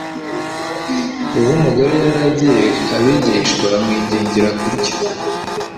Ubwo umugore yari agiye, abigishwa bamwingingira kurya.